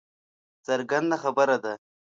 څرګنده خبره ده